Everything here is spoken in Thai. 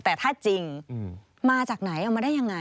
แต่ถ้าจริงมาจากไหนเอามาได้ยังไง